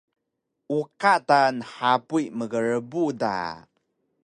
Uqa ta nhapuy mgrbu da!